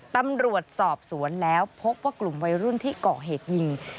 ตำรวจสอบสวนแล้วพบว่ากลุ่มวัยรุ่นที่เกาะเหตุยิง